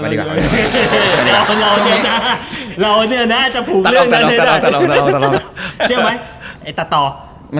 เดี๋ยวเราเนื้อหน้าจะผูกเรื่องนั้นเนื้อหน้าเดี๋ยวเราเนื้อหน้าจะผูกเรื่องนั้นเนื้อหน้า